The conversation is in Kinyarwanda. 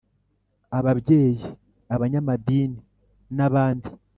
ababyeyi, abanyamadini n’abandi.